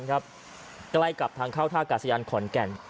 ใกล้กับทางเข้าท่ากาศยานขอนแก่น